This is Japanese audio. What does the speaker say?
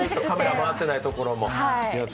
カメラ回ってないところも？